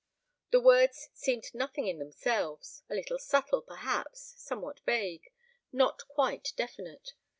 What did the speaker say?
The words seemed nothing in themselves: a little subtle, perhaps, somewhat vague, not quite definite.